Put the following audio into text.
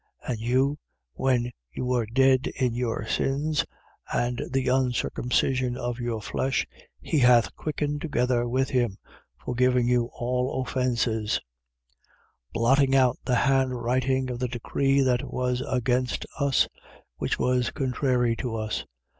2:13. And you, when you were dead in your sins and the uncircumcision of your flesh, he hath quickened together with him, forgiving you all offences: 2:14. Blotting out the handwriting of the decree that was against us, which was contrary to us.